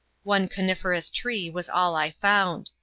One coniferous tree was all I found.